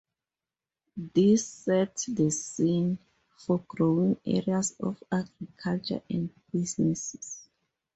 This set the scene for growing areas of agriculture and businesses.